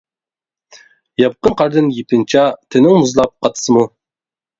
ياپقىن قاردىن يېپىنچا، تىنىڭ مۇزلاپ قاتسىمۇ.